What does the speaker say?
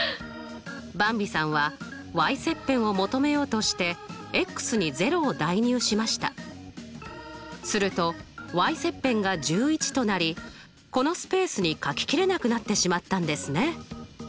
ばんびさんは切片を求めようとしてすると切片が１１となりこのスペースにかき切れなくなってしまったんですね。